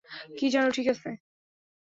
কি জানো, ঠিক আছে।